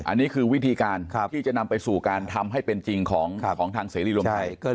อันนี้คือวิธีการที่จะนำไปสู่การทำให้เป็นจริงของทางเสรีรวมไทย